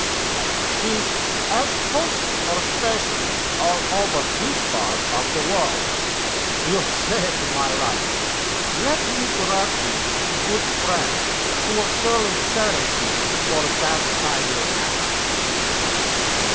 "As you see, I have posts or stations all over this part of the world. You saved my life. Let me direct you to good friends, who will surely cherish you for that kindly act."